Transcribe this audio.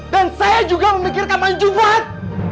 dan saya juga memikirkan manjubat